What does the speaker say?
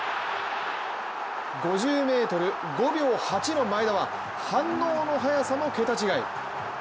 ５０ｍ５秒８の前田は反応の速さも桁違い。